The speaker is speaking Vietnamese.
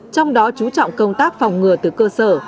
trong đó chú trọng công tác phòng ngừa từ cơ sở